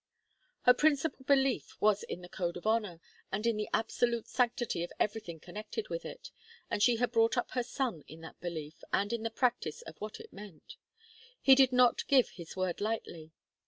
Her principal belief was in the code of honour, and in the absolute sanctity of everything connected with it, and she had brought up her son in that belief, and in the practice of what it meant. He did not give his word lightly.